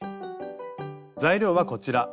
材料はこちら。